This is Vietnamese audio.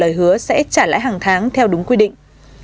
lời hứa sẽ trả lãi hàng tháng theo đúng quy định